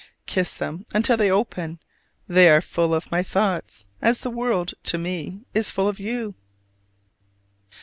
Kiss them until they open: they are full of my thoughts, as the world, to me, is full of you.